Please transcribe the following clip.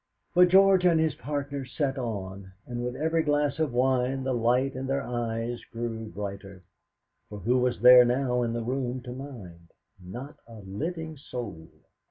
But George and his partner sat on, and with every glass of wine the light in their eyes grew brighter. For who was there now in the room to mind? Not a living soul!